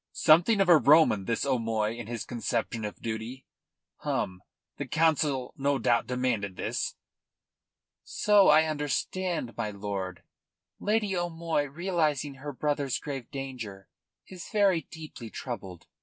"Something of a Roman this O'Moy in his conception of duty! Hum! The Council no doubt demanded this?" "So I understand, my lord. Lady O'Moy, realising her brother's grave danger, is very deeply troubled."